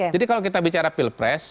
jadi kalau kita bicara pilpres